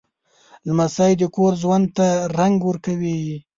لمسی د کور ژوند ته رنګ ورکوي.